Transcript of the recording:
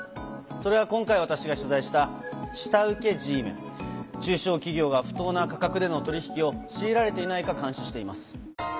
それは今回私が取材した下請けＧメン。中小企業が不当な価格での取引を強いられていないか監視しています。